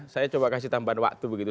saya coba kasih tambahan waktu begitu